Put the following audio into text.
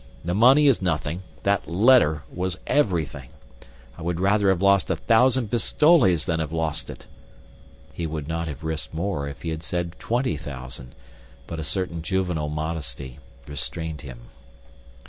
The money is nothing; that letter was everything. I would rather have lost a thousand pistoles than have lost it." He would not have risked more if he had said twenty thousand; but a certain juvenile modesty restrained him.